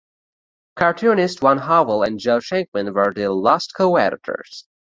Cartoonists Van Howell and Joe Schenkman were the last co-editors.